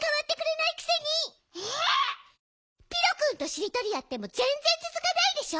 ピロくんとしりとりやってもぜんぜんつづかないでしょ。